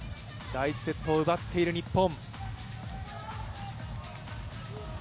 第１セットを奪っている日本。